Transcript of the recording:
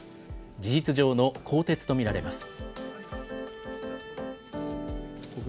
事実上の更迭と見られます。